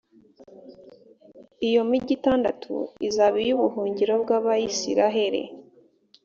iyo migi itandatu izaba iy’ubuhungiro bw’abayisraheli